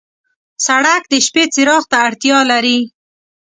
سړک د شپې څراغ ته اړتیا لري.